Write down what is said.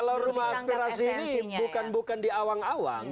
kalau rumah aspirasi ini bukan bukan di awang awang